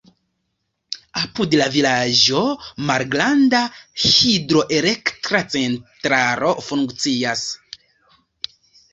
Apud la vilaĝo malgranda hidroelektra centralo funkcias.